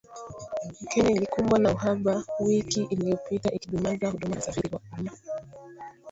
Kenya ilikumbwa na uhaba wiki iliyopita ikidumaza huduma za usafiri wa umma